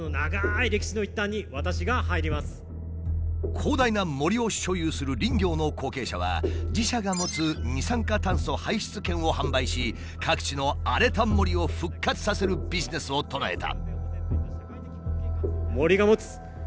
広大な森を所有する林業の後継者は自社が持つ二酸化炭素排出権を販売し各地の荒れた森を復活させるビジネスを唱えた。